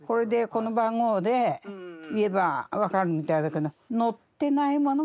この番号で言えば分かるみたいだけど。